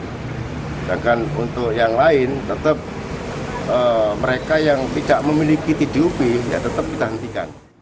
sedangkan untuk yang lain tetap mereka yang tidak memiliki tgup tetap ditantikan